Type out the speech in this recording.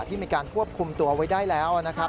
ที่มีการควบคุมตัวไว้ได้แล้วนะครับ